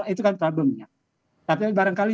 itu kan problemnya tapi barangkali